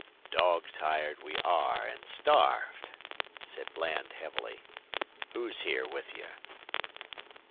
"Dog tired we are and starved," said Bland, heavily. "Who's here with you?"